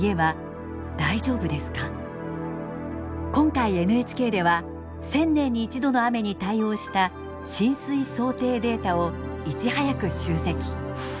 今回ＮＨＫでは１０００年に１度の雨に対応した浸水想定データをいち早く集積。